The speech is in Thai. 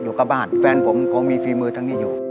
อยู่กับบ้านแฟนผมเขามีฝีมือทางนี้อยู่